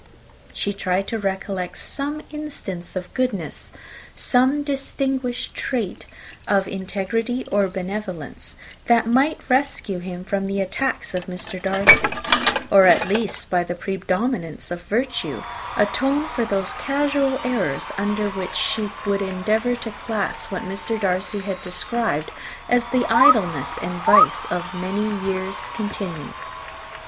She tried to recollect some instance of goodness, some distinguished trait of integrity or benevolence, that might rescue him from the attacks of Mr. Darcy; or at least, by the predominance of virtue, atone for those casual errors, under which she would endeavour to class what Mr. Darcy had described as the idleness and vice of many years' continuance.